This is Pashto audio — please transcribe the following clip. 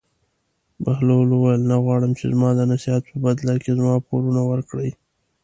بهلول وویل: نه غواړم چې زما د نصیحت په بدله کې زما پورونه ورکړې.